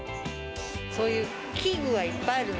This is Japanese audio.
そういう器具はいっぱいあるの。